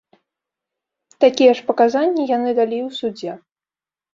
Такія ж паказанні яны далі і ў судзе.